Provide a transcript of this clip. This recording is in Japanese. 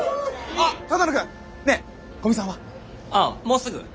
あっもうすぐ。